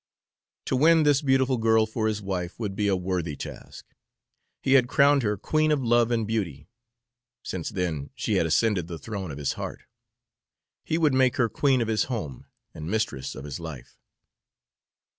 To win this beautiful girl for his wife would be a worthy task. He had crowned her Queen of Love and Beauty; since then she had ascended the throne of his heart. He would make her queen of his home and mistress of his life.